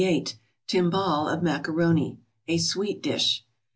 =Timbale of Macaroni.= (_A sweet dish.